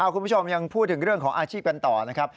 คุณผู้ชมยังพูดถึงเรื่องของอาชีพกันต่อนะครับ